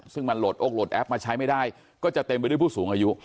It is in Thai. ซึ่งมันโหลดโอ๊คโหลดแอปมาใช้ไม่ได้ก็จะเต็มไปด้วยผู้สูงอายุ